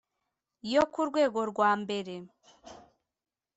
yo ku rwego rwa mbere